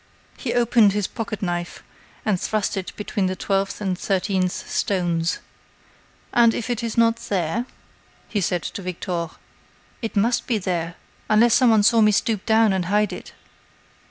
He opened his pocketknife and thrust it between the twelfth and thirteenth stones. "And if it is not there?" he said to Victor. "It must be there, unless someone saw me stoop down and hide it."